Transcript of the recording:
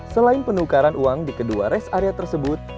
selain penukaran uang di kedua rest area tersebut